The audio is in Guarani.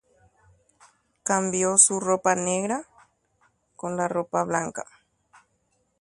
Omoambue ijao hũ ao morotĩre